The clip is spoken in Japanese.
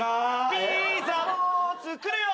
「ピーザを作るよー」